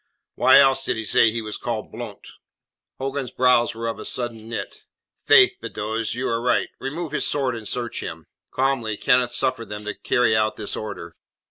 Why else did he say he was called Blount?" Hogan's brows were of a sudden knit. "Faith, Beddoes, you are right. Remove his sword and search him." Calmly Kenneth suffered them to carry out this order.